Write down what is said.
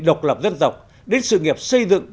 độc lập dân dộc đến sự nghiệp xây dựng